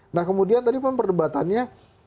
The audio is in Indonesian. nah kemudian tadi perdebatannya